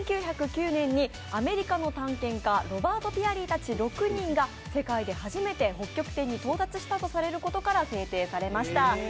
１９０９年にアメリカの探検家ロバート・ピアリーたち６人が世界で初めて北極点に到達したということから制定されました。